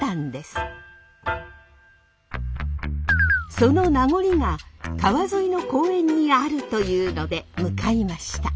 その名残が川沿いの公園にあるというので向かいました。